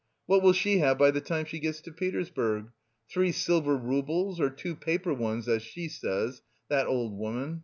What will she have by the time she gets to Petersburg? Three silver roubles or two 'paper ones' as she says.... that old woman...